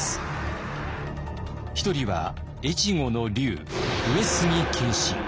１人は越後の龍上杉謙信。